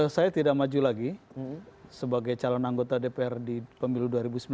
saya tidak maju lagi sebagai calon anggota dpr di pemilu dua ribu sembilan belas